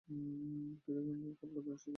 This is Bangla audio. কিরে গাঙু, কাল রাতের নেশা যায়নি এখনো, হাহ্?